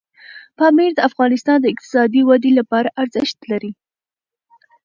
پامیر د افغانستان د اقتصادي ودې لپاره ارزښت لري.